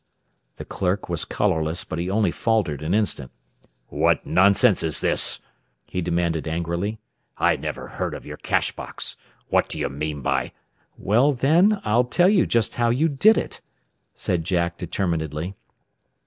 The clerk was colorless, but he only faltered an instant. "What nonsense is this?" he demanded angrily. "I never heard of your cash box. What do you mean by " "Well then, I'll tell you just how you did it," said Jack determinedly.